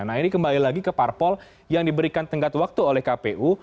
nah ini kembali lagi ke parpol yang diberikan tenggat waktu oleh kpu